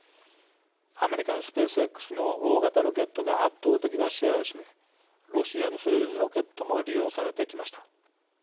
アメリカのスペースＸの大型ロケットが圧倒的なシェアを占めロシアのソユーズロケットも利用されてきました。